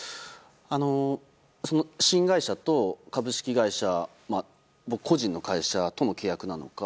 新会社と株式会社僕個人の会社との契約なのか